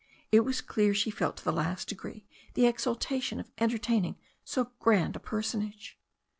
It was clear she felt to the last degree the exaltation of entertaining so grand a personage.